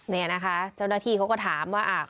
นี่นะคะเจ้าหน้าที่เขาก็ถามว่า